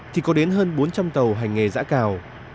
thì có đến hơn bốn trăm linh tàu hành nghề giã cào